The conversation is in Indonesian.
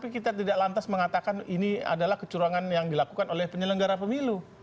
kita tidak lantas mengatakan ini adalah kecurangan yang dilakukan oleh penyelenggara pemilu